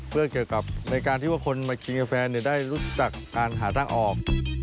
เพื่อเกี่ยวกับในการที่ว่าคนมากินกับแฟนได้รู้จักการหาทางออก